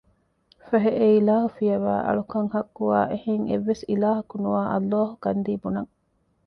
ފަހެ އެ އިލާހު ފިޔަވައި އަޅުކަން ޙައްޤުވާ އެހެން އެއްވެސް އިލާހަކު ނުވާ ﷲ ގަންދީ ބުނަން